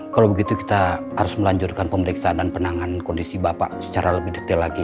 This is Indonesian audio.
kalau begitu kita harus melanjutkan pemeriksaan dan penanganan kondisi bapak secara lebih detail lagi